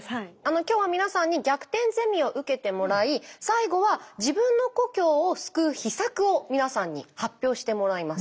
今日は皆さんに「逆転ゼミ」を受けてもらい最後は自分の故郷を救う秘策を皆さんに発表してもらいます。